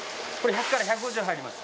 １００から１５０入ります。